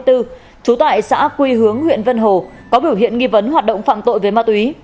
trú tại xã quy hướng huyện vân hồ có biểu hiện nghi vấn hoạt động phạm tội về ma túy